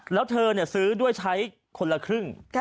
แล้วเธอซื้อด้วยใช้คนละครึ่ง